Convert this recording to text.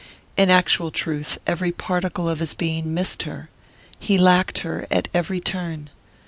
In actual truth, every particle of his being missed her, he lacked her at every turn.